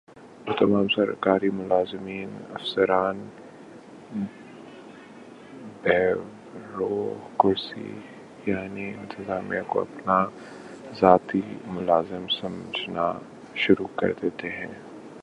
وہ تمام سرکاری ملازمین افسران بیورو کریسی یعنی انتظامیہ کو اپنا ذاتی ملازم سمجھنا شروع کر دیتے ہیں ۔